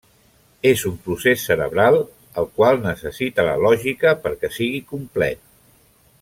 És un procés cerebral el qual necessita la lògica perquè sigui complet.